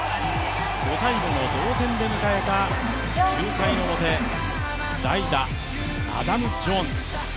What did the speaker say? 同点で迎えた９回の表代打・アダム・ジョーンズ。